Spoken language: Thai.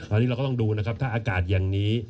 ตอนนี้เราก็ต้องดูนะครับถ้าอากาศอย่างนี้